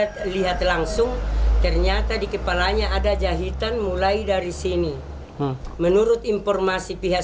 lihat lihat langsung ternyata di kepalanya ada jahitan mulai dari sini menurut informasi pihak